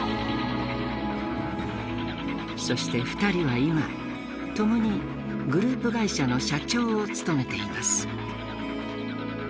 そして２人は今共にグループ会社の社長を務めています。